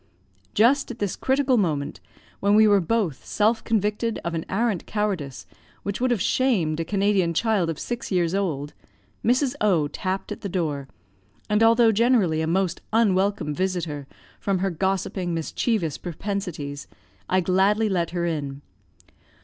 Just at this critical moment, when we were both self convicted of an arrant cowardice, which would have shamed a Canadian child of six years old, Mrs. O tapped at the door, and although generally a most unwelcome visitor, from her gossiping, mischievous propensities, I gladly let her in.